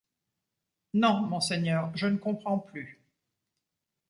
Non, monseigneur, je ne comprends plus.